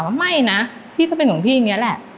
ว่าไม่นะพี่ก็เป็นของพี่เนี่ยแหละ